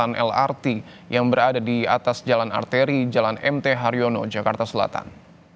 dengan lrt yang berada di atas jalan arteri jalan mt haryono jakarta selatan